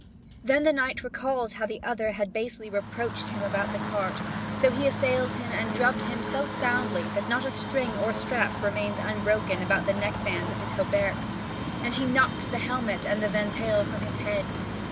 Then the knight recalls how the other had basely reproached him about the cart; so he assails him and drubs him so soundly that not a string or strap remains unbroken about the neck band of his hauberk, and he knocks the helmet and ventail from his head.